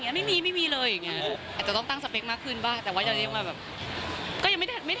แล้วแบบเพื่อนอย่างนั้นไม่ใช่แนะนำ